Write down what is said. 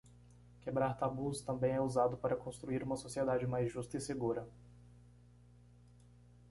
Quebrar tabus também é usado para construir uma sociedade mais justa e segura.